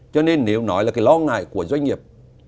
cho nên nếu nói là cái lo ngại của doanh nghiệp